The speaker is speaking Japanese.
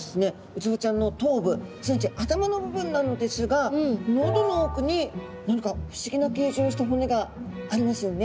ウツボちゃんの頭部すなわち頭の部分なのですが喉の奥に何か不思議な形状をした骨がありますよね。